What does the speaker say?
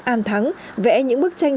an thắng vẽ những bức tranh